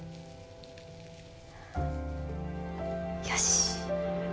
よし。